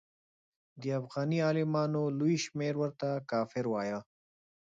د افغاني عالمانو لوی شمېر ورته کافر وایه.